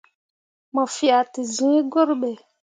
Mo fea te zẽẽ gurɓe.